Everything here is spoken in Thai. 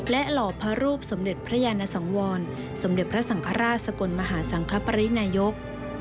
หล่อพระรูปสมเด็จพระยานสังวรสมเด็จพระสังฆราชสกลมหาสังคปรินายก